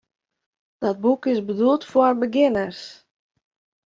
Dat boek is bedoeld foar begjinners.